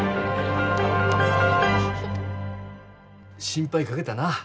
心配かけたな。